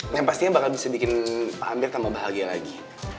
yang pastinya bakal bisa bikin pak amir tambah bahagia lagi